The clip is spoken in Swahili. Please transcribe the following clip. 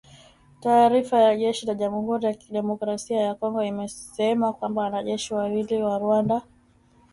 Taarifa ya jeshi la Jamuhuri ya Demokrasia ya Kongo imesema kwamba wanajeshi wawili wa Rwanda